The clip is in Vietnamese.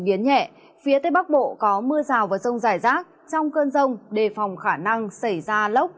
biến nhẹ phía tây bắc bộ có mưa rào và rông rải rác trong cơn rông đề phòng khả năng xảy ra lốc